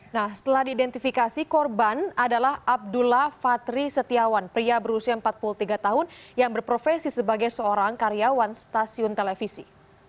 nah setelah diidentifikasi korban adalah abdullah fatri setiawan pria berusia empat puluh tiga tahun yang berprofesi sebagai seorang karyawan stasiun televisi